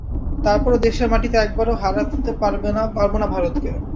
তারপরও দেশের মাটিতে একবারও হারাতে পারব না ভারতকে।